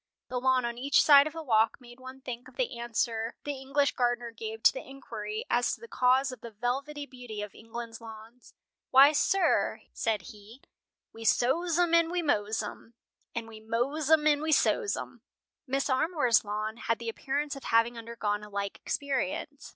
The lawn on each side of the walk made one think of the answer the English gardener gave to the inquiry as to the cause of the velvety beauty of England's lawns. "Why, sir," said he, "we sows 'em, and we mows 'em, and we mows 'em, and we sows 'em." Mrs. Armour's lawn had the appearance of having undergone a like experience.